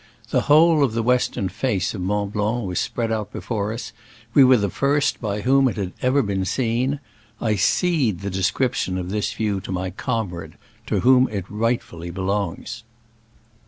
The whole of the western face of Mont Blanc was OUR CAMP ON MONT SUC. 4r spread out before us : we were the first by whom it had been ever seen. I cede the description of this view to my com rade, to whom it rightfully belongs.